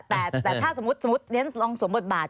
แต่ถ้าสมมุติสมมุติเดี๋ยนลองสมบทบาท